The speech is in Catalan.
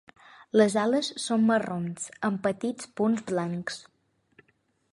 Les ales són marrons amb petits punts blancs.